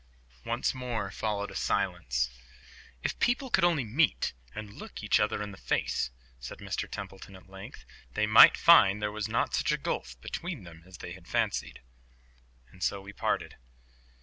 Once more followed a silence. "If people could only meet, and look each other in the face," said Mr Templeton at length, "they might find there was not such a gulf between them as they had fancied." And so we parted.